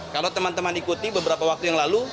kalau teman teman ikuti beberapa waktu yang lalu